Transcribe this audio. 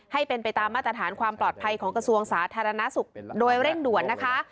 ให้เป็นไปตามมาตรฐานความปลอดภัยของกระทรวงสาธารณสุขโดยเร่งด่วนนะคะ